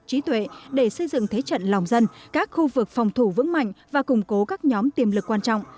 trí tuệ để xây dựng thế trận lòng dân các khu vực phòng thủ vững mạnh và củng cố các nhóm tiềm lực quan trọng